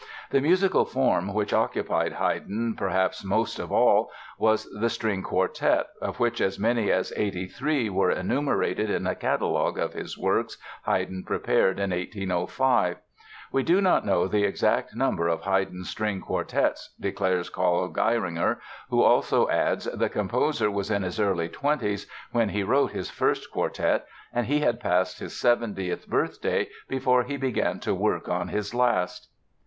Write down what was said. The musical form which occupied Haydn perhaps most of all was the string quartet, of which as many as 83 were enumerated in a catalogue of his works Haydn prepared in 1805. "We do not know the exact number of Haydn's string quartets," declares Karl Geiringer, who also adds "the composer was in his early twenties when he wrote his first quartet and he had passed his 70th birthday before he began to work on his last."